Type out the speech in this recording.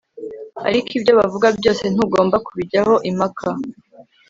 ariko ibyo bavuga byose ntugomba kubijyaho impaka